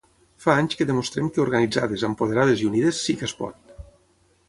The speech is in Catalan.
Fa anys que demostrem que organitzades, empoderades i unides, sí que es pot!